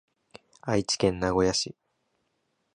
愛知県名古屋市